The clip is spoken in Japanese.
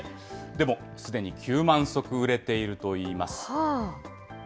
でもすでに９万足売れているといいます。